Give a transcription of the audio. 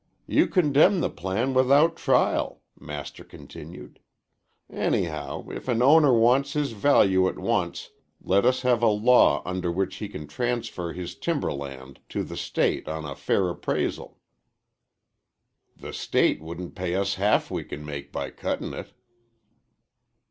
"You condemn the plan without trial," Master continued. "Anyhow, if an owner wants his value at once, let us have a law under which he can transfer his timber land to the State on a fair appraisal." "The State wouldn't pay us half we can make by cutting it."